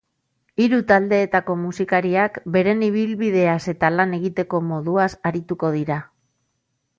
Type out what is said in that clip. Hiru taldeetako musikariak beren ibilbideaz eta lan egiteko moduaz arituko dira.